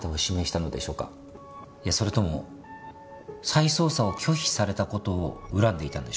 いやそれとも再捜査を拒否された事を恨んでいたんでしょうか？